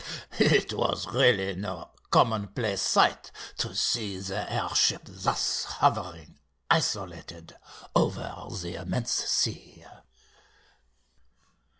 It was really no commonplace sight to see the air ship thus hovering isolated over the immense sea."